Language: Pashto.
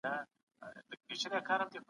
ژوندپوهنه د عضوي موادو او کیمیا ترکیب دی.